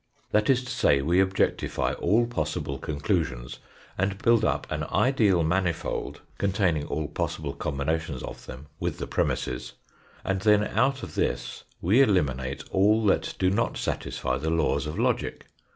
That is to say, we objectify all possible conclusions, and build up an ideal manifold, containing all possible com binations of them with the premisses, and then out of this we eliminate all that do not satisfy the laws of logic.